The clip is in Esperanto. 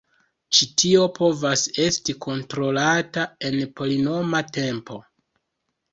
Ĉi tio povas esti kontrolata en polinoma tempo.